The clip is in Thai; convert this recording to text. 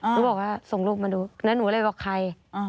ก็บอกว่าส่งลูกมาดูแล้วหนูเลยบอกใคร